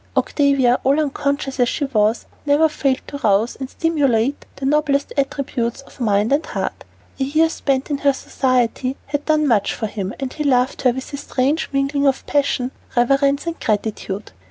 Octavia, all unconscious as she was, never failed to rouse and stimulate the noblest attributes of mind and heart. A year spent in her society had done much for him, and he loved her with a strange mingling of passion, reverence, and gratitude.